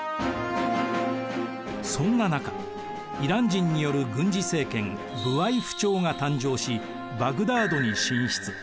そんな中イラン人による軍事政権ブワイフ朝が誕生しバグダードに進出。